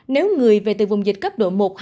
nếu người về từ vùng dịch cấp độ một